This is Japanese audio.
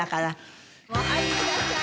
お入りください。